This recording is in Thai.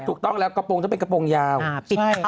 ไม่ถูกต้องแล้วกระโปรงจะเป็นกระโปรงยาวมันต้องเป็นกระโปรงยาว